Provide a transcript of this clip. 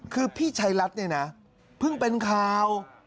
คือพี่ชัยรัฐเนี่ยนะเพิ่งเป็นข่าว